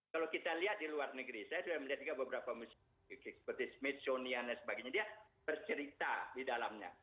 kalau kita lihat di luar negeri saya sudah melihat juga beberapa musik seperti smitsonian dan sebagainya dia bercerita di dalamnya